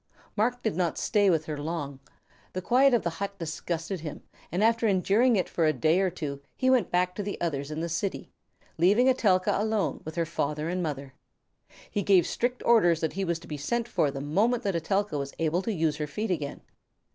Marc did not stay with her long. The quiet of the hut disgusted him, and after enduring it for a day or two he went back to the others in the city, leaving Etelka alone with her father and mother. He gave strict orders that he was to be sent for the moment that Etelka was able to use her feet again.